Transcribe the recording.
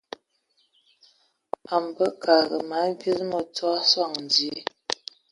A bə kəlǝg mana vis mǝtsɔ a sɔŋ dzie.